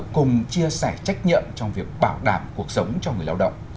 cùng chia sẻ trách nhiệm trong việc bảo đảm cuộc sống cho người lao động